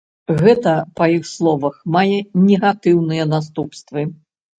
Гэта, па іх словах, мае негатыўныя наступствы.